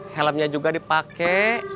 helmnya juga dipake